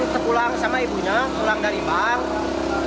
terpulang sama ibunya pulang dari bank